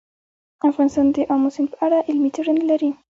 افغانستان د آمو سیند په اړه علمي څېړنې لري.